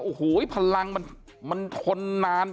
โอ้โหพลังมันทนนาน